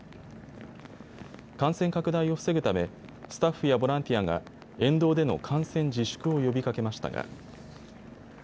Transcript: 感染拡大を防ぐためスタッフやボランティアが沿道での観戦自粛を呼びかけましたが。